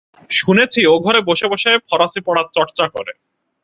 শুনেছি ও ঘরে বসে বসে ফরাসী পড়ার চর্চা করে।